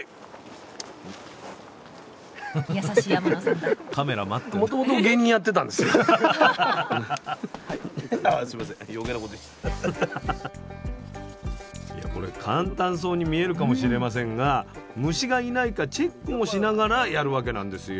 スタジオいやこれ簡単そうに見えるかもしれませんが虫がいないかチェックもしながらやるわけなんですよ。